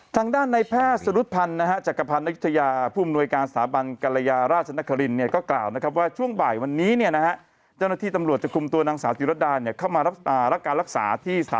ทางด้านในแผ้สรุภัณฑ์ห์จักรพรณ์นักยุทยา